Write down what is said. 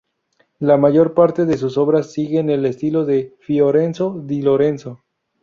La mayor parte de sus obras siguen el estilo de Fiorenzo di Lorenzo.